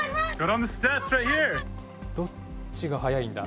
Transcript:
どっちが速いんだ？